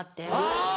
あぁ